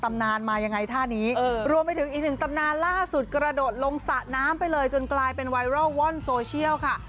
นานมายังไงท่านี้รวมไปถึงอีกหนึ่งตำนานล่าสุดกระโดดลงสระน้ำไปเลยจนกลายเป็นไวรัลว่อนโซเชียลค่ะ